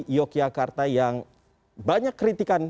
jakarta yang banyak kritikan